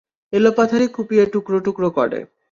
এলোপাথাড়ি কুপিয়ে টুকরো টুকরো করে।